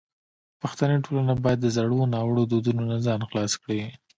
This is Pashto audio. پښتني ټولنه باید د زړو ناوړو دودونو نه ځان خلاص کړي.